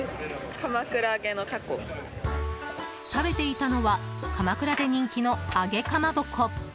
食べていたのは鎌倉で人気の揚げかまぼこ。